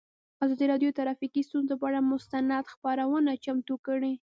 ازادي راډیو د ټرافیکي ستونزې پر اړه مستند خپرونه چمتو کړې.